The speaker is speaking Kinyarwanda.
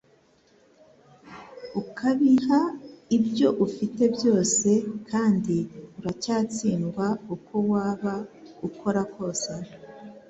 ukabiha ibyo ufite byose, kandi uracyatsindwa uko waba ukora kose.